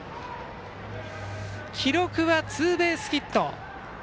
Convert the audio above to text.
記録はツーベースヒット。